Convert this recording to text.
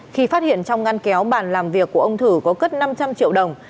khi phát hiện trong ngăn kéo bàn làm việc của ông thử có cất năm trăm linh triệu đồng